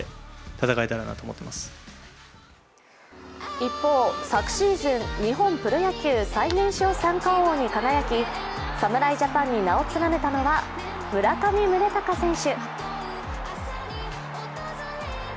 一方、昨シーズン日本プロ野球最年少三冠王に輝き侍ジャパンに名を連ねたのは村上宗隆選手。